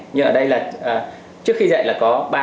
nhưng ở đây là trước khi dạy là có năm ngày